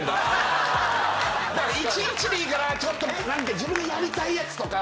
１日でいいからちょっと何か自分がやりたいやつとか。